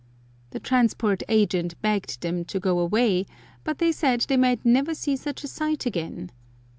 The Transport Agent begged them to go away, but they said they might never see such a sight again!